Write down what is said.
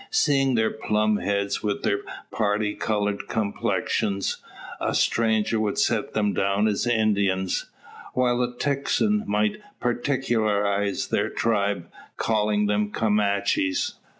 Seeing their plumed heads with their parti coloured complexions, a stranger would set them down as Indians; while a Texan might particularise their tribe, calling them Comanches.